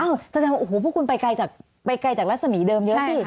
อ้าวแสดงว่าพวกคุณไปไกลจากลัสมีเดิมเยอะสิ